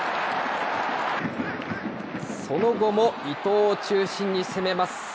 その後も伊東を中心に攻めます。